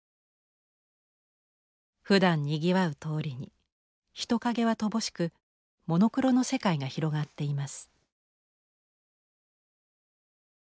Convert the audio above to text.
ふだんにぎわう通りに人影は乏しくモノクロの世界が広がっています。